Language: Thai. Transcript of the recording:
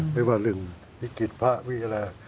ไม่ว่าเรื่องวิกฤตพระมีอะไร